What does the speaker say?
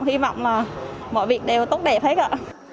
hy vọng là mọi việc đều tốt đẹp hết ạ